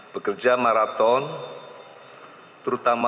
bekerja maraton terutama